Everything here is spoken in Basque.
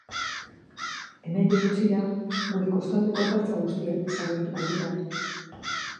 Hemendik gutxira gure kostaldeko hondartza guztiak desagertuko dira.